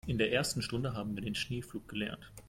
In der ersten Stunde haben wir den Schneepflug gelernt.